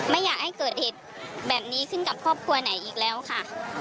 ไม่อยากให้เกิดเหตุแบบนี้ขึ้นกับครอบครัวไหนอีกแล้วค่ะ